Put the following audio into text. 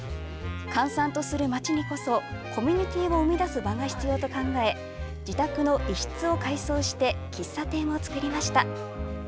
閑散とする町にこそコミュニティーを生み出す場が必要と考え自宅の一室を改装して喫茶店を作りました。